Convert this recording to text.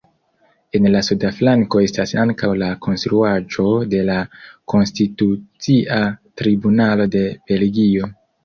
En la suda flanko estas ankaŭ la konstruaĵo de la Konstitucia Tribunalo de Belgio.